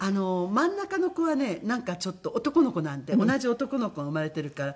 真ん中の子はねなんかちょっと男の子なので同じ男の子が生まれてるから。